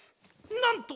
なんと！